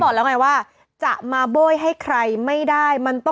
หลากหลายรอดอย่างเดียว